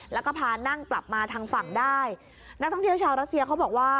แล้วก็พานั่งกลับมาทางฝั่งได้นักท่องเที่ยวชาวรัสเซียเขาบอกว่า